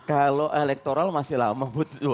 kalau elektoral masih lama